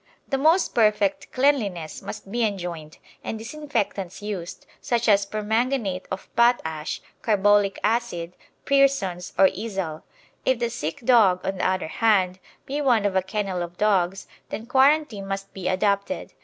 The most perfect cleanliness must be enjoined, and disinfectants used, such as permanganate of potash, carbolic acid, Pearson's, or Izal. If the sick dog, on the other hand, be one of a kennel of dogs, then quarantine must be adopted.